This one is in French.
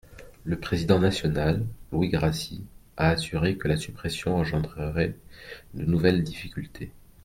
Le président national, Louis Grassi, a assuré que la suppression engendrerait de nouvelles difficultés.